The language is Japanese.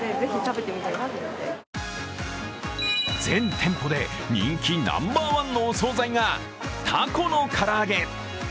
全店舗で人気ナンバーワンのお総菜がタコの唐揚げ。